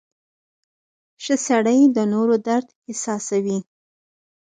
• ښه سړی د نورو درد احساسوي.